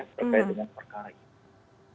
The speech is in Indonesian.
berkait dengan perkara ini